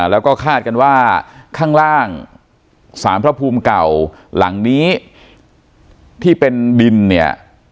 แล้วก็คาดกันว่าข้างล่างสารพระภูมิเก่าหลังนี้ที่เป็นดินเนี่ย